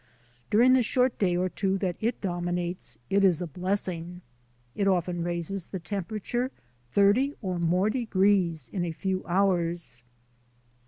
During the short day or two that it dominates it is a blessing. It often raises the temperature thirty or more degrees in a few hours.